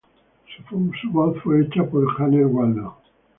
Su voz fue hecha por Janet Waldo.